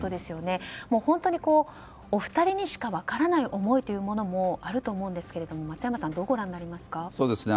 本当にお二人にしか分からない思いというのもあると思うんですが松山さんはどうご覧になりますか？